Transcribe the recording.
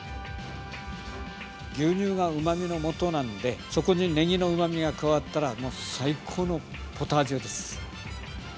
牛乳がうまみの素なんでそこにねぎのうまみが加わったらもう最高のポタージュです。